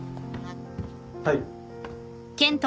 はい。